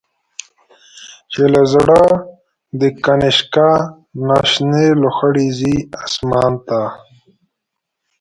چی له زړه د”کنشکا”نه، شنی لو خړی ځی آسمان ته